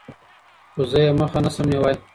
خو زه يې مخه نشم نيوى.